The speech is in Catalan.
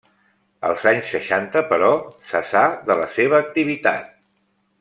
Els anys seixanta, però, cessà de la seva activitat.